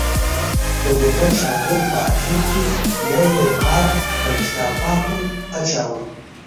د هوټل شاګرد په آخر کې یو یو قاب په کثافاتو اچاوه.